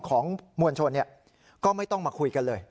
ของมวลชนก็ไม่ต้องมาคุยกันเลย